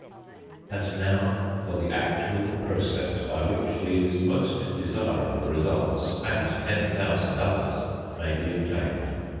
And now for the actual process by which these most desirable results, and ten thousand others, may be obtained.